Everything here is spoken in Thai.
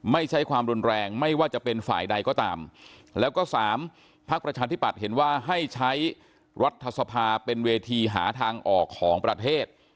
ไม่ใช้ความรุนแรงไม่ว่าจะเป็นฝ่ายใดก็ตามแล้วก็สามพักประชาธิปัตย์เห็นว่าให้ใช้รัฐสภาเป็นเวทีหาทางออกของประเทศ